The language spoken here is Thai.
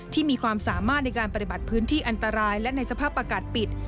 ที่มีความสามารถในการปฏิบัติพื้นที่อันตรายและในสภาพอากาศปิด